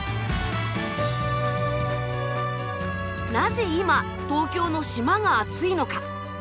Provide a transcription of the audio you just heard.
なぜ今東京の島がアツいのか。